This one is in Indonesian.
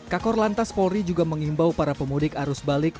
kakor lantas polri juga mengimbau para pemudik arus balik